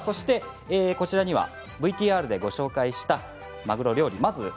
こちらにはＶＴＲでご紹介したマグロ料理